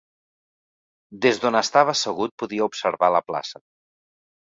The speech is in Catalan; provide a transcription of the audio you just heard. Des d'on estava assegut podia observar la plaça.